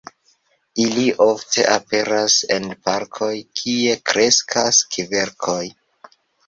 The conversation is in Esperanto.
Ili ofte aperas en parkoj, kie kreskas kverkoj.